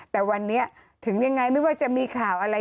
แต่วันนี้ถึงยังไงไม่ว่าจะมีข่าวอะไร